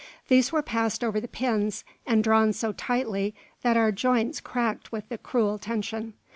These were passed over the pins, and drawn so tightly that our joints cracked with the cruel tension.